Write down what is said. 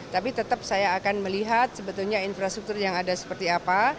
tapi tetap saya akan melihat sebetulnya infrastruktur yang ada seperti apa